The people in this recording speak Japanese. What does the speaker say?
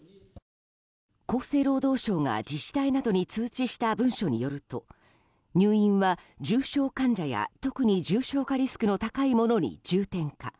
厚生労働省が自治体などに通知した文書によると入院は重症患者や特に重症化リスクの高い者に重点化。